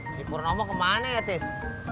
si purnomo kemana ya tis